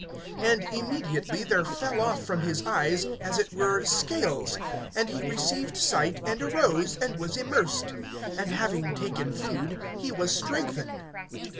(18)And immediately there fell off from his eyes as it were scales; and he received sight, and arose, and was immersed; (19)and having taken food, he was strengthened.